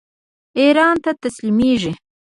ایران ته تسلیمیږي.